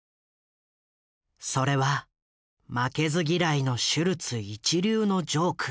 それは負けず嫌いのシュルツ一流のジョーク。